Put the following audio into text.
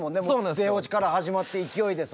出落ちから始まって勢いでさ。